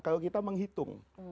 kalau kita menghitung